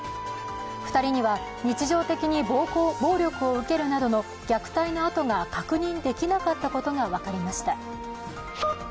２人には日常的に暴力を受けるなどの虐待の痕が確認できなかったことが分かりました。